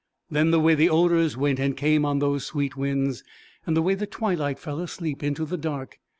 Then the way the odours went and came on those sweet winds! and the way the twilight fell asleep into the dark!